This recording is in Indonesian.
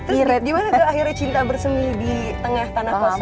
gimana tuh akhirnya cinta bersemi di tengah tanah kosong